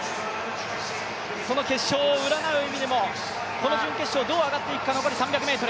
その決勝を占う意味でもこの準決勝、どう上がっていくか、残り３００ｍ。